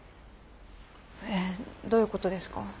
えどういうことですか？